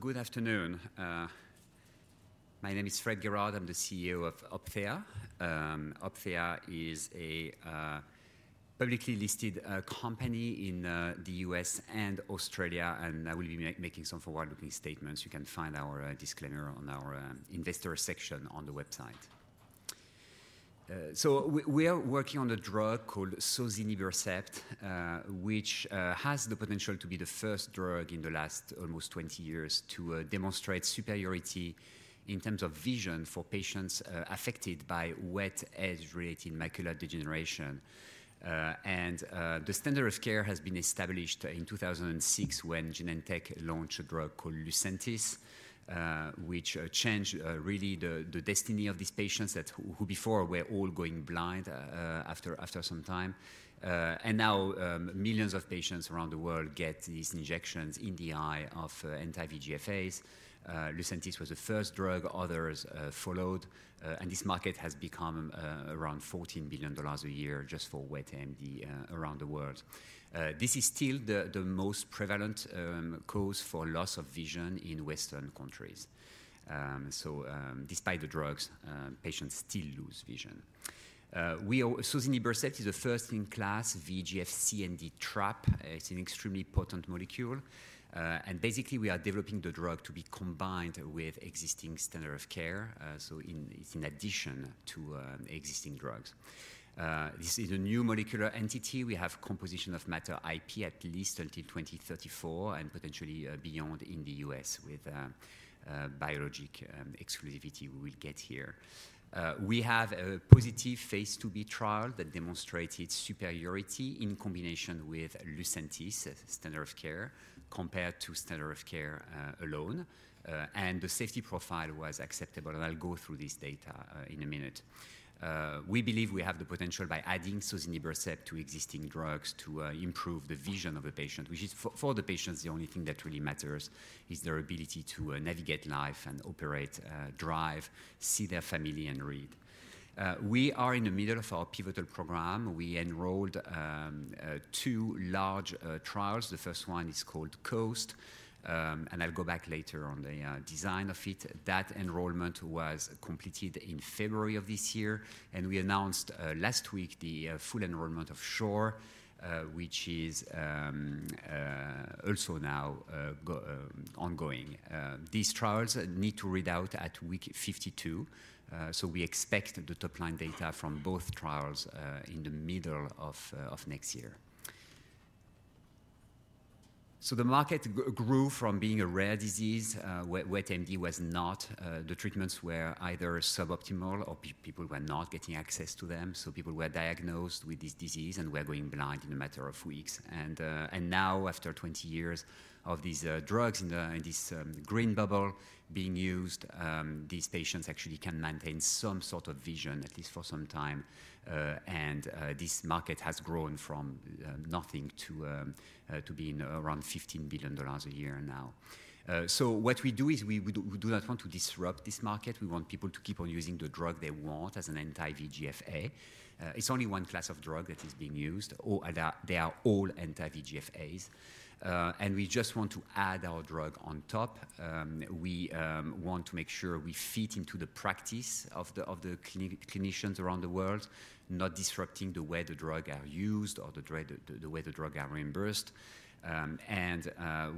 Good afternoon. My name is Frederic Guerard. I'm the CEO of Opthea. Opthea is a publicly listed company in the U.S. and Australia, and I will be making some forward-looking statements. You can find our disclaimer on our investor section on the website. We are working on a drug called sozinibercept, which has the potential to be the first drug in the last almost 20 years to demonstrate superiority in terms of vision for patients affected by wet age-related macular degeneration. The standard of care has been established in 2006 when Genentech launched a drug called Lucentis, which changed really the destiny of these patients who before were all going blind after some time. Now, millions of patients around the world get these injections in the eye of anti-VEGF-As. Lucentis was the first drug, others followed, and this market has become around $14 billion a year just for wet AMD around the world. This is still the most prevalent cause for loss of vision in Western countries. Despite the drugs, patients still lose vision. Sozinibercept is a first-in-class VEGF-C and D trap. It's an extremely potent molecule, and basically, we are developing the drug to be combined with existing standard of care. It's in addition to existing drugs. This is a new molecular entity. We have composition of matter IP at least until 2034, and potentially beyond in the US with biologic exclusivity we will get here. We have a positive phase IIb trial that demonstrated superiority in combination with Lucentis, standard of care, compared to standard of care alone, and the safety profile was acceptable, and I'll go through this data in a minute. We believe we have the potential by adding sozinibercept to existing drugs to improve the vision of a patient, which is for the patients, the only thing that really matters is their ability to navigate life and operate, drive, see their family, and read. We are in the middle of our pivotal program. We enrolled two large trials. The first one is called COAST, and I'll go back later on the design of it. That enrollment was completed in February of this year, and we announced last week the full enrollment of SHORE, which is also now ongoing. These trials need to read out at week 52. So we expect the top-line data from both trials in the middle of next year. So the market grew from being a rare disease, wet AMD was not, the treatments were either suboptimal or people were not getting access to them, so people were diagnosed with this disease and were going blind in a matter of weeks. And now, after 20 years of these drugs and this green bubble being used, these patients actually can maintain some sort of vision, at least for some time. And this market has grown from nothing to being around $15 billion a year now. So what we do is we do not want to disrupt this market. We want people to keep on using the drug they want as an anti-VEGF-A. It's only one class of drug that is being used, all, they are all anti-VEGF-As. And we just want to add our drug on top. We want to make sure we fit into the practice of the clinicians around the world, not disrupting the way the drugs are used or the way the drugs are reimbursed.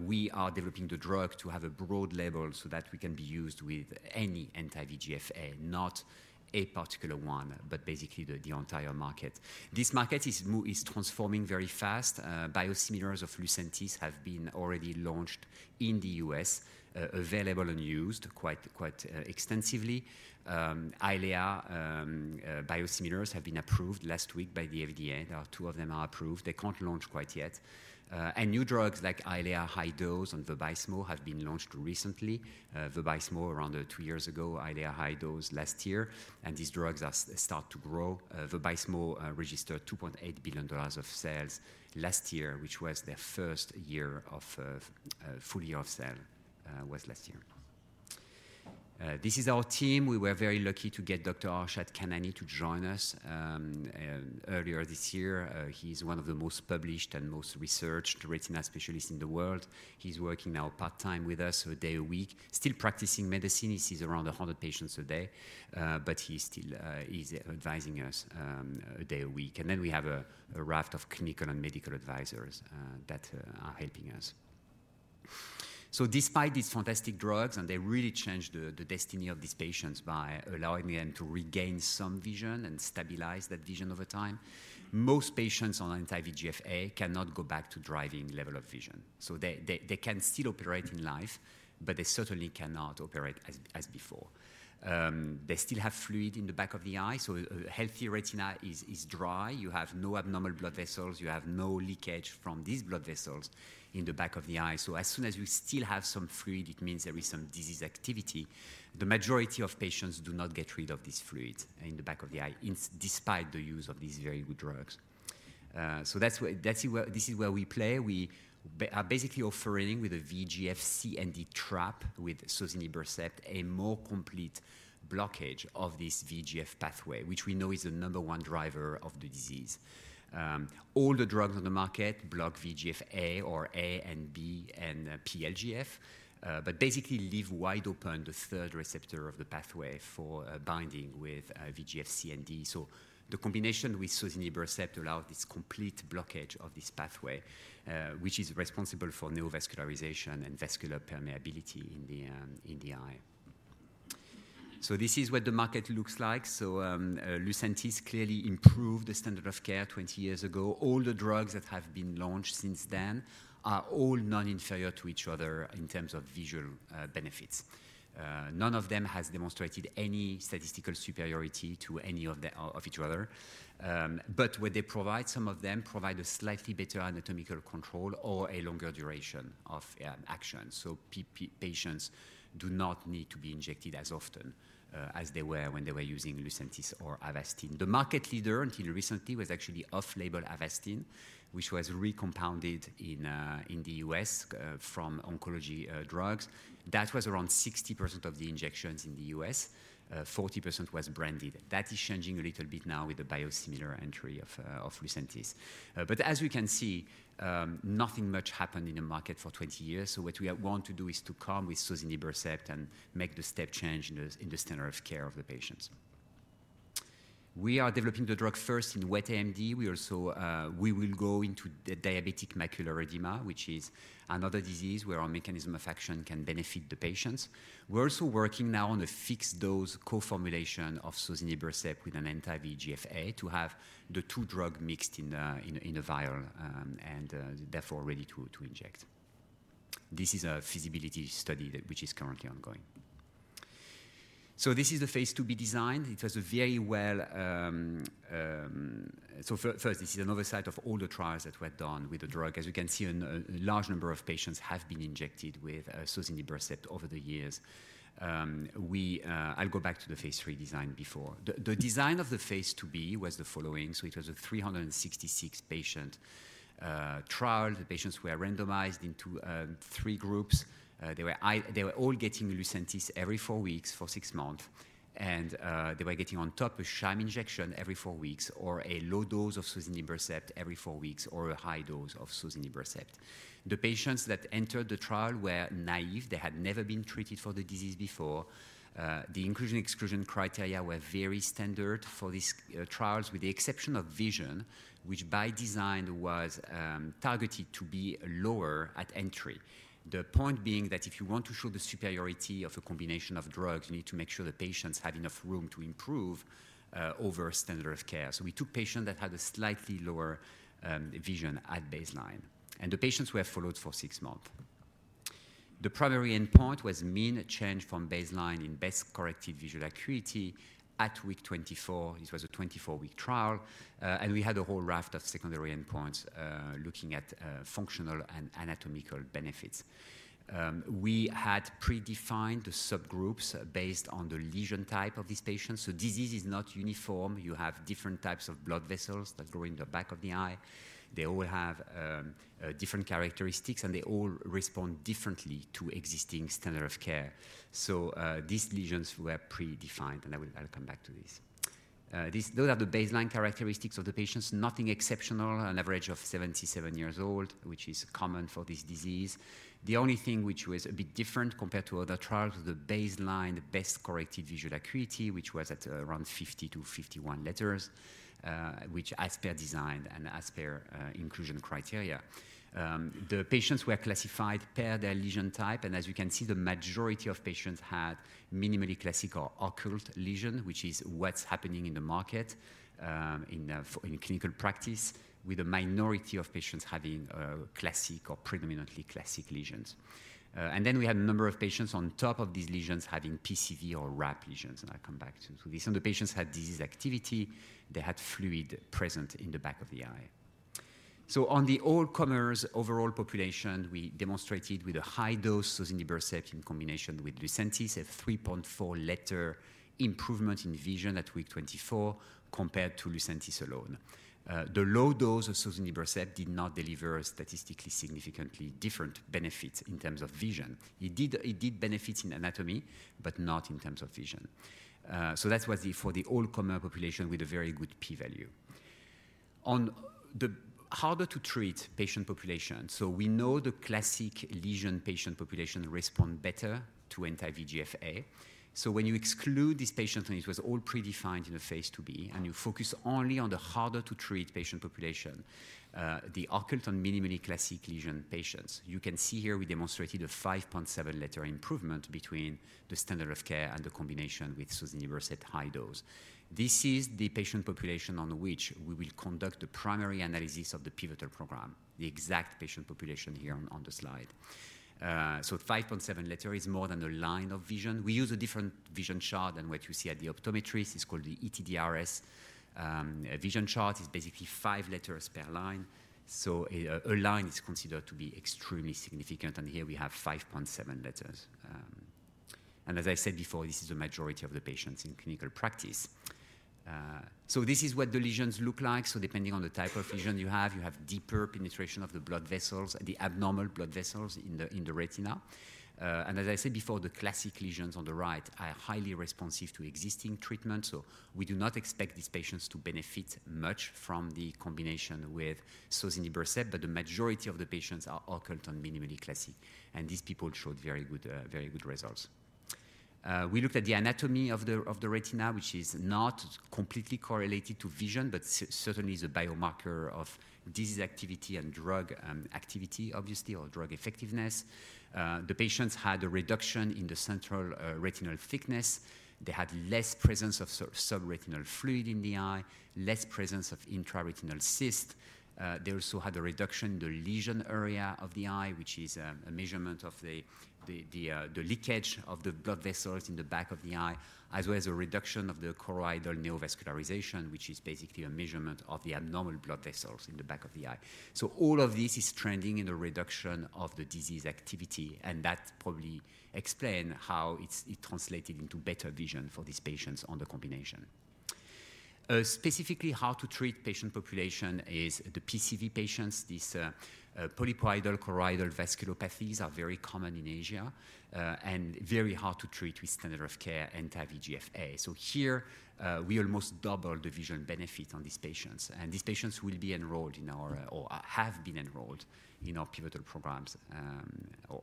We are developing the drug to have a broad label so that we can be used with any anti-VEGF-A, not a particular one, but basically the entire market. This market is transforming very fast. Biosimilars of Lucentis have been already launched in the U.S., available and used quite extensively. Eylea biosimilars have been approved last week by the FDA. There are two of them approved. They can't launch quite yet. New drugs like Eylea high dose and Vabysmo have been launched recently. Vabysmo around two years ago, Eylea high dose last year, and these drugs start to grow. Vabysmo registered $2.8 billion of sales last year, which was their first year of full year of sale was last year. This is our team. We were very lucky to get Dr. Arshad Khanani to join us earlier this year. He's one of the most published and most researched retina specialists in the world. He's working now part-time with us, so a day a week, still practicing medicine. He sees around 100 patients a day, but he's still advising us a day a week. And then we have a raft of clinical and medical advisors that are helping us. So despite these fantastic drugs, and they really changed the destiny of these patients by allowing them to regain some vision and stabilize that vision over time, most patients on anti-VEGF-A cannot go back to driving level of vision. So they can still operate in life, but they certainly cannot operate as before. They still have fluid in the back of the eye, so a healthy retina is dry. You have no abnormal blood vessels. You have no leakage from these blood vessels in the back of the eye. So as soon as you still have some fluid, it means there is some disease activity. The majority of patients do not get rid of this fluid in the back of the eye despite the use of these very good drugs. So that's where—this is where we play. We are basically offering with a VEGF-C and D trap with sozinibercept, a more complete blockage of this VEGF pathway, which we know is the number one driver of the disease. All the drugs on the market block VEGF-A or A and B and, PlGF, but basically leave wide open the third receptor of the pathway for, binding with, VEGF-C and D. So the combination with sozinibercept allow this complete blockage of this pathway, which is responsible for neovascularization and vascular permeability in the, in the eye. So this is what the market looks like. So, Lucentis clearly improved the standard of care 20 years ago. All the drugs that have been launched since then are all non-inferior to each other in terms of visual, benefits. None of them has demonstrated any statistical superiority to any of each other. But what they provide, some of them provide a slightly better anatomical control or a longer duration of action. So patients do not need to be injected as often as they were when they were using Lucentis or Avastin. The market leader until recently was actually off-label Avastin, which was recompounded in the U.S. from oncology drugs. That was around 60% of the injections in the U.S., 40% was branded. That is changing a little bit now with the biosimilar entry of Lucentis. But as you can see, nothing much happened in the market for 20 years. So what we are going to do is to come with sozinibercept and make the step change in the standard of care of the patients. We are developing the drug first in wet AMD. We also will go into the diabetic macular edema, which is another disease where our mechanism of action can benefit the patients. We're also working now on a fixed-dose co-formulation of sozinibercept with an anti-VEGF-A to have the two drug mixed in a vial, and therefore, ready to inject. This is a feasibility study which is currently ongoing. So this is the phase IIb design. So first, this is another slide of all the trials that were done with the drug. As you can see, a large number of patients have been injected with sozinibercept over the years. I'll go back to the phase 3 design before. The design of the phase 2b was the following: so it was a 366-patient trial. The patients were randomized into three groups. They were all getting Lucentis every four weeks for six months, and they were getting on top a sham injection every four weeks, or a low dose of sozinibercept every four weeks, or a high dose of sozinibercept. The patients that entered the trial were naive. They had never been treated for the disease before. The inclusion/exclusion criteria were very standard for these trials, with the exception of vision, which by design was targeted to be lower at entry. The point being that if you want to show the superiority of a combination of drugs, you need to make sure the patients have enough room to improve over standard of care. So we took patients that had a slightly lower vision at baseline, and the patients were followed for six months. The primary endpoint was mean change from baseline in best-corrected visual acuity at week 24. This was a 24-week trial, and we had a whole raft of secondary endpoints looking at functional and anatomical benefits. We had predefined the subgroups based on the lesion type of these patients. So disease is not uniform. You have different types of blood vessels that grow in the back of the eye. They all have different characteristics, and they all respond differently to existing standard of care. So, these lesions were predefined, and I will, I'll come back to this. These, those are the baseline characteristics of the patients, nothing exceptional, an average of 77 years old, which is common for this disease. The only thing which was a bit different compared to other trials was the baseline, the best-corrected visual acuity, which was at around 50-51 letters, which as per design and as per inclusion criteria. The patients were classified per their lesion type, and as you can see, the majority of patients had minimally classic or occult lesion, which is what's happening in the market, in clinical practice, with a minority of patients having classic or predominantly classic lesions. And then we had a number of patients on top of these lesions having PCV or RAP lesions, and I'll come back to this. And the patients had disease activity. They had fluid present in the back of the eye. So on the all-comers overall population, we demonstrated with a high-dose sozinibercept in combination with Lucentis, a 3.4-letter improvement in vision at week 24 compared to Lucentis alone. The low dose of sozinibercept did not deliver a statistically significantly different benefit in terms of vision. It did benefit in anatomy, but not in terms of vision. So that was for the all-comer population with a very good p-value. On the harder to treat patient population, so we know the classic lesion patient population respond better to anti-VEGF-A. So when you exclude these patients, and it was all predefined in the phase IIb, and you focus only on the harder to treat patient population, the occult and minimally classic lesion patients, you can see here we demonstrated a 5.7-letter improvement between the standard of care and the combination with sozinibercept high dose. This is the patient population on which we will conduct the primary analysis of the pivotal program, the exact patient population here on the slide. So 5.7 letter is more than a line of vision. We use a different vision chart than what you see at the optometrist. It's called the ETDRS. A vision chart is basically five letters per line, so a line is considered to be extremely significant, and here we have 5.7 letters. And as I said before, this is the majority of the patients in clinical practice. So this is what the lesions look like. So depending on the type of lesion you have, you have deeper penetration of the blood vessels, the abnormal blood vessels in the retina. And as I said before, the classic lesions on the right are highly responsive to existing treatment, so we do not expect these patients to benefit much from the combination with sozinibercept, but the majority of the patients are occult and minimally classic, and these people showed very good, very good results. We looked at the anatomy of the retina, which is not completely correlated to vision, but certainly is a biomarker of disease activity and drug activity, obviously, or drug effectiveness. The patients had a reduction in the central retinal thickness. They had less presence of subretinal fluid in the eye, less presence of intraretinal cyst. They also had a reduction in the lesion area of the eye, which is a measurement of the leakage of the blood vessels in the back of the eye, as well as a reduction of the choroidal neovascularization, which is basically a measurement of the abnormal blood vessels in the back of the eye. So all of this is trending in a reduction of the disease activity, and that probably explain how it translated into better vision for these patients on the combination. Specifically, how to treat patient population is the PCV patients. These polypoidal choroidal vasculopathies are very common in Asia, and very hard to treat with standard of care anti-VEGF-A. So here, we almost double the vision benefit on these patients, and these patients will be enrolled in our or have been enrolled in our pivotal programs,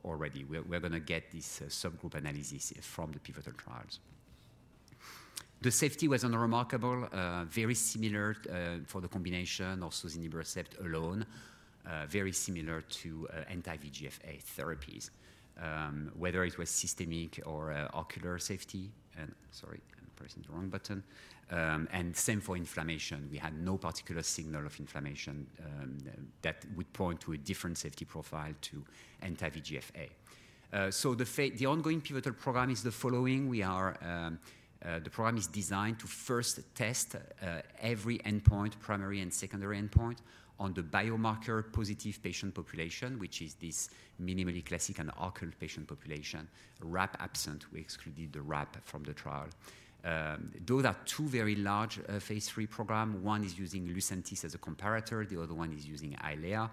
already. We're gonna get this subgroup analysis from the pivotal trials. The safety was unremarkable, very similar for the combination of sozinibercept alone, very similar to anti-VEGF-A therapies. Whether it was systemic or ocular safety and... Sorry, I'm pressing the wrong button. And same for inflammation. We had no particular signal of inflammation, that would point to a different safety profile to anti-VEGF-A. The ongoing pivotal program is the following: We are, the program is designed to first test every endpoint, primary and secondary endpoint, on the biomarker-positive patient population, which is this minimally classic and occult patient population. RAP absent, we excluded the RAP from the trial. Those are two very large, phase 3 program. One is using Lucentis as a comparator, the other one is using Eylea,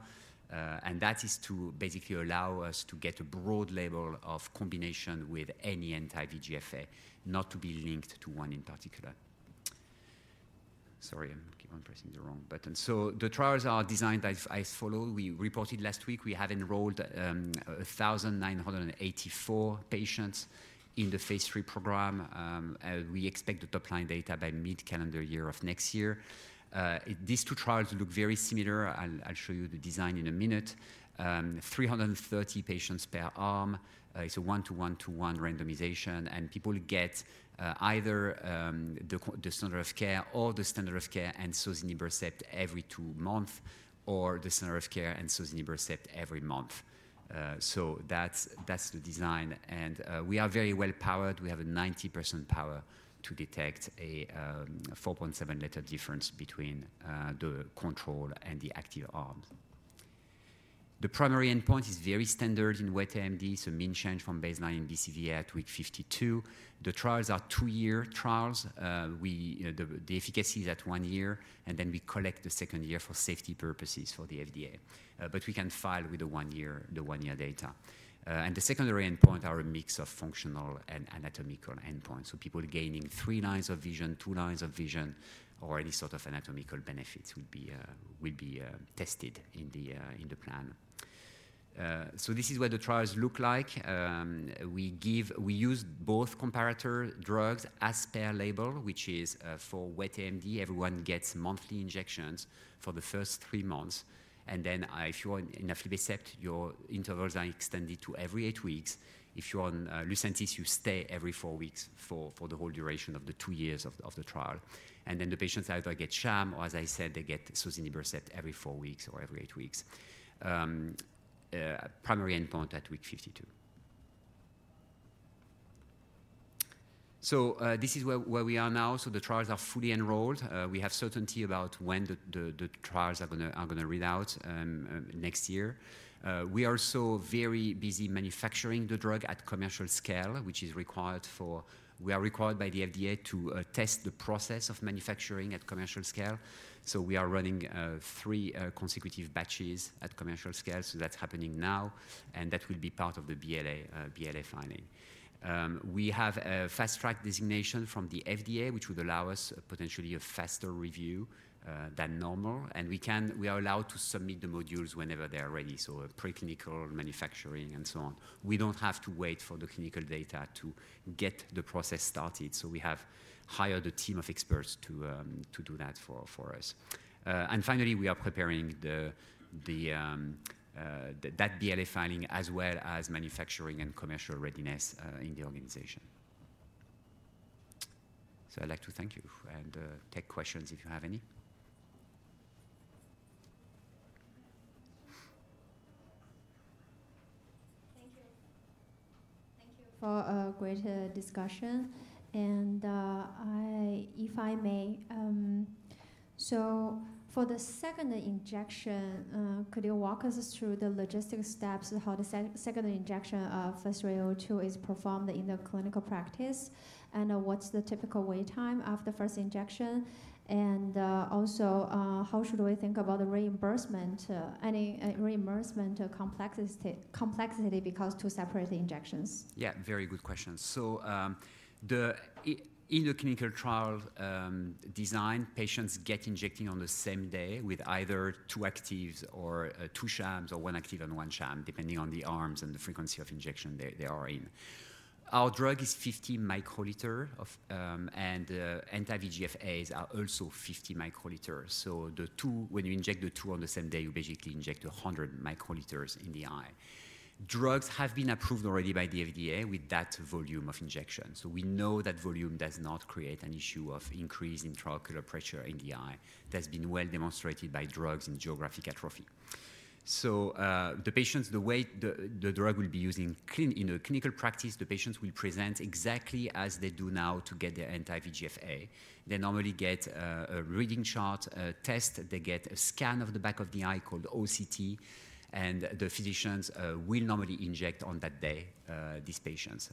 and that is to basically allow us to get a broad label of combination with any anti-VEGF-A, not to be linked to one in particular. Sorry, I keep on pressing the wrong button. So the trials are designed as follow. We reported last week, we have enrolled 1,984 patients in the phase 3 program. We expect the top-line data by mid-calendar year of next year. These two trials look very similar. I'll show you the design in a minute. 330 patients per arm. It's a 1:1:1 randomization, and people get either the standard of care or the standard of care and sozinibercept every two month, or the standard of care and sozinibercept every month. So that's the design, and we are very well powered. We have a 90% power to detect a 4.7-letter difference between the control and the active arm. The primary endpoint is very standard in wet AMD, so mean change from baseline BCVA at week 52. The trials are two-year trials. We, you know, the efficacy is at 1 year, and then we collect the second year for safety purposes for the FDA. But we can file with the 1 year, the 1-year data. And the secondary endpoint are a mix of functional and anatomical endpoints. So people gaining 3 lines of vision, 2 lines of vision, or any sort of anatomical benefits will be tested in the plan. So this is what the trials look like. We use both comparator drugs as per label, which is, for wet AMD, everyone gets monthly injections for the first 3 months, and then, if you're on aflibercept, your intervals are extended to every 8 weeks. If you're on Lucentis, you stay every 4 weeks for the whole duration of the 2 years of the trial. And then the patients either get sham, or as I said, they get sozinibercept every 4 weeks or every 8 weeks. Primary endpoint at week 52. So this is where we are now. So the trials are fully enrolled. We have certainty about when the trials are gonna read out next year. We are so very busy manufacturing the drug at commercial scale, which is required for. We are required by the FDA to test the process of manufacturing at commercial scale. So we are running 3 consecutive batches at commercial scale. So that's happening now, and that will be part of the BLA filing. We have a fast track designation from the FDA, which would allow us potentially a faster review than normal, and we are allowed to submit the modules whenever they are ready, so a preclinical, manufacturing, and so on. We don't have to wait for the clinical data to get the process started, so we have hired a team of experts to do that for us. And finally, we are preparing the BLA filing as well as manufacturing and commercial readiness in the organization. So I'd like to thank you and take questions if you have any. Thank you. Thank you for a great discussion, and if I may. So for the second injection, could you walk us through the logistic steps of how the second injection of OPT-302 is performed in the clinical practice? And what's the typical wait time after first injection, and also, how should we think about the reimbursement, any reimbursement complexity because two separate injections? Yeah, very good question. So, the injection in the clinical trial design, patients get injected on the same day with either two actives or two shams or one active and one sham, depending on the arms and the frequency of injection they are in. Our drug is 50 microliters, and anti-VEGFAs are also 50 microliters. So the two, when you inject the two on the same day, you basically inject 100 microliters in the eye. Drugs have been approved already by the FDA with that volume of injection. So we know that volume does not create an issue of increase intraocular pressure in the eye. That's been well demonstrated by drugs in geographic atrophy. So, the way the drug will be used in clinical practice, the patients will present exactly as they do now to get their anti-VEGF-A. They normally get a reading chart, a test, they get a scan of the back of the eye called OCT, and the physicians will normally inject on that day these patients.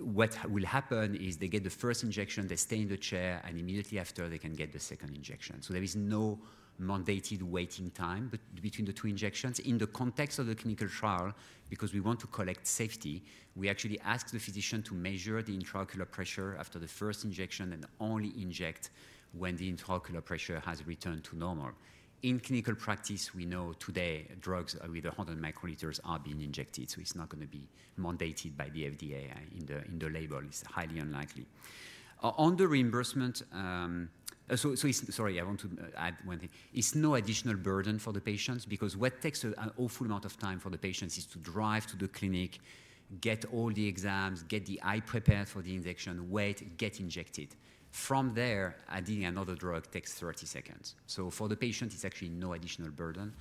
What will happen is they get the first injection, they stay in the chair, and immediately after, they can get the second injection. So there is no mandated waiting time between the two injections. In the context of the clinical trial, because we want to collect safety, we actually ask the physician to measure the intraocular pressure after the first injection and only inject when the intraocular pressure has returned to normal. In clinical practice, we know today drugs with 100 microliters are being injected, so it's not gonna be mandated by the FDA in the label. It's highly unlikely. On the reimbursement. So, sorry, I want to add one thing. It's no additional burden for the patients because what takes an awful amount of time for the patients is to drive to the clinic, get all the exams, get the eye prepared for the injection, wait, get injected. From there, adding another drug takes 30 seconds. So for the patient, it's actually no additional burden.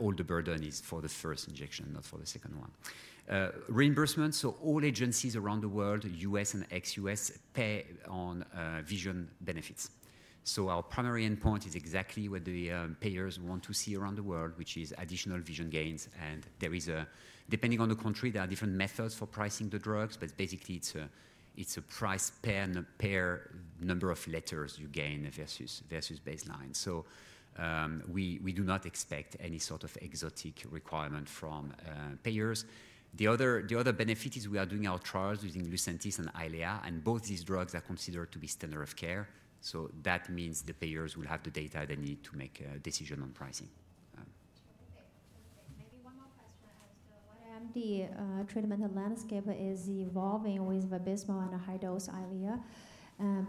All the burden is for the first injection, not for the second one. Reimbursement, so all agencies around the world, US and ex-US, pay on vision benefits. So our primary endpoint is exactly what the payers want to see around the world, which is additional vision gains, and there is a depending on the country, there are different methods for pricing the drugs, but basically it's a, it's a price per pair, number of letters you gain versus, versus baseline. So we do not expect any sort of exotic requirement from payers. The other benefit is we are doing our trials using Lucentis and Eylea, and both these drugs are considered to be standard of care. So that means the payers will have the data they need to make a decision on pricing. Okay. Maybe one more question as to what AMD treatment landscape is evolving with Vabysmo and a high-dose Eylea,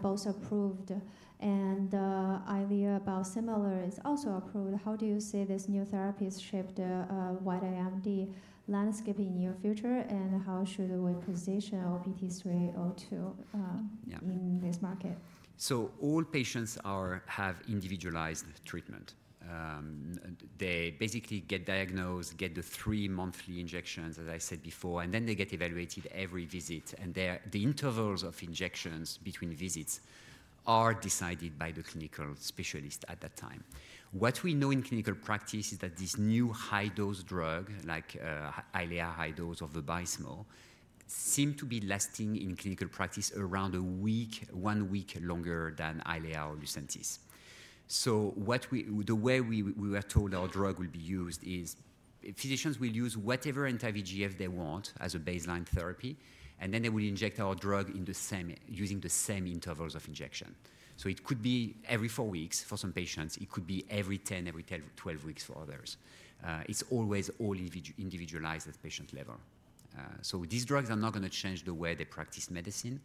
both approved, and Eylea biosimilar is also approved. How do you see these new therapies shape the wet AMD landscape in near future, and how should we position OPT-302? Yeah. in this market? So all patients have individualized treatment. They basically get diagnosed, get the 3 monthly injections, as I said before, and then they get evaluated every visit, and the intervals of injections between visits are decided by the clinical specialist at that time. What we know in clinical practice is that this new high-dose drug, like, Eylea high dose or Vabysmo, seem to be lasting in clinical practice around a week, 1 week longer than Eylea or Lucentis. So the way we were told our drug will be used is physicians will use whatever anti-VEGF they want as a baseline therapy, and then they will inject our drug in the same, using the same intervals of injection. So it could be every 4 weeks for some patients, it could be every 10, every 12 weeks for others. It's always all individualized at patient level. So these drugs are not gonna change the way they practice medicine.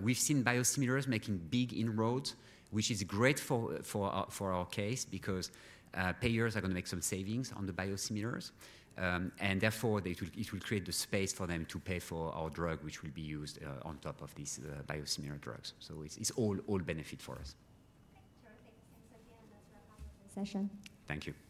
We've seen biosimilars making big inroads, which is great for our case because payers are gonna make some savings on the biosimilars. And therefore, it will create the space for them to pay for our drug, which will be used on top of these biosimilar drugs. So it's all benefit for us. Terrific. Thanks again. That's a wrap up for the session. Thank you.